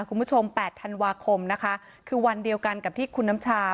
แปดธันวาคมนะคะคือวันเดียวกันกับที่คุณน้ำชา